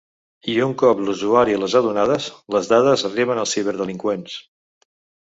I un cop l’usuari les ha donades, les dades arriben als ciberdelinqüents.